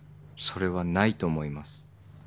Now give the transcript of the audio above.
それはないと思います。